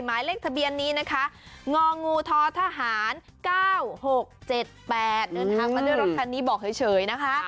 หมายเลขทะเบียนนี้นะคะงงูททหาร๙๖๗๘เดินทางมาด้วยรถคันนี้บอกเฉยนะคะ